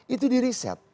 itu di riset